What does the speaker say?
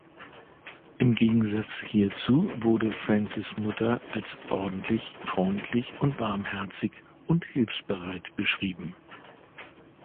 Im Gegensatz hierzu wurde Francis' Mutter als ordentlich, freundlich und warmherzig und hilfsbereit beschrieben.